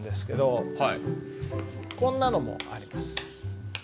こんなのもあります。